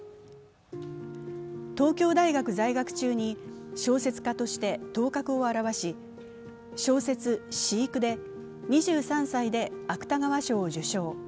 東京大学在学中に小説家として頭角を現し、小説「飼育」で２３歳で芥川賞を受賞。